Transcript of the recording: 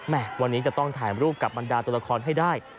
วันนี้จะต้องถ่ายรูปกับบรรดาตัวละครให้ได้